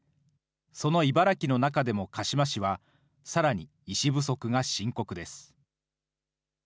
その茨城の中でも鹿嶋市は、さらに医師不足が深刻です。